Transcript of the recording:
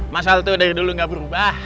mas al itu dari dulu nggak berubah